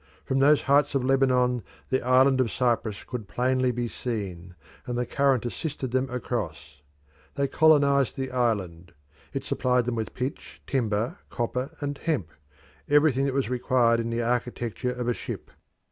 From those heights of Lebanon the island of Cyprus could plainly be seen, and the current assisted them across. They colonised the island; it supplied them with pitch, timber, copper, and hemp everything that was required in the architecture of a ship.